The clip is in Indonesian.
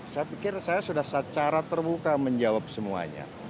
saya pikir saya sudah secara terbuka menjawab semuanya